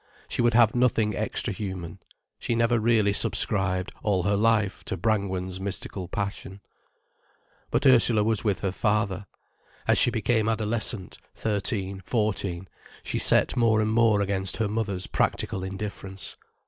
She would have nothing extra human. She never really subscribed, all her life, to Brangwen's mystical passion. But Ursula was with her father. As she became adolescent, thirteen, fourteen, she set more and more against her mother's practical indifference.